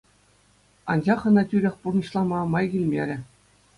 Анчах ӑна тӳрех пурнӑҫлама май килмерӗ.